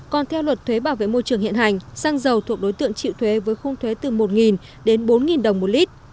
còn theo luật thuế bảo vệ môi trường hiện hành xăng dầu thuộc đối tượng chịu thuế với khung thuế từ một đến bốn đồng một lít